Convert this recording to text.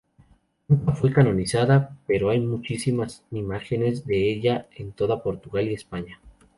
Nunca fue canonizada, pero hay muchísimas imágenes de ella en toda Portugal y España.